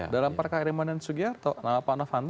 dalam perkara irman dan sugiarto nama pak noh fanto